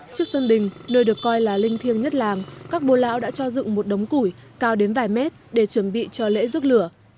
trước sân đình nơi được coi là linh thiêng nhất làng các bồ lão đã cho dựng một đống củi cao đến vài mét để chuẩn bị cho lễ rước lửa